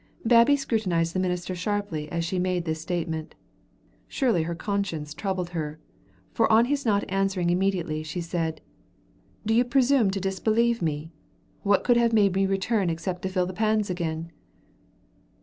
Babbie scrutinized the minister sharply as she made this statement. Surely her conscience troubled her, for on his not answering immediately she said, "Do you presume to disbelieve me? What could have made me return except to fill the pans again?"